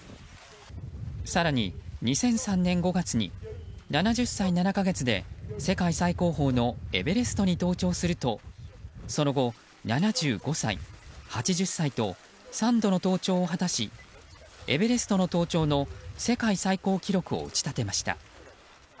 更に、２００３年５月に７０歳７か月で世界最高峰のエベレストに登頂するとその後７５歳、８０歳と３度の登頂を果たしエベレストの登頂の世界最高記録を打ち立てました。